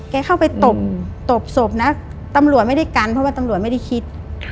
เข้าไปตบตบศพนะตำรวจไม่ได้กันเพราะว่าตำรวจไม่ได้คิด